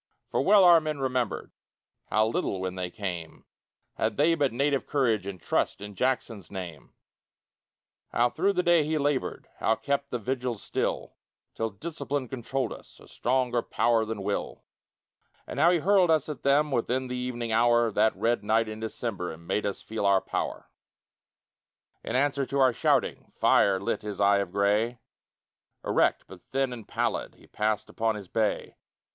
For well our men remembered How little, when they came, Had they but native courage, And trust in Jackson's name; How through the day he labored, How kept the vigils still, Till discipline controlled us A stronger power than will; And how he hurled us at them Within the evening hour, That red night in December And made us feel our power. In answer to our shouting Fire lit his eye of gray; Erect, but thin and pallid, He passed upon his bay.